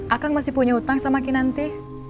akan masih punya utang sama kinanti